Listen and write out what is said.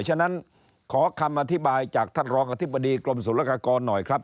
ฉะนั้นขอคำอธิบายจากท่านรองอธิบดีกรมศุลกากรหน่อยครับ